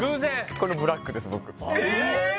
このブラックです僕えーっ！